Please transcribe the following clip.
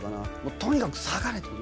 とにかく下がれと。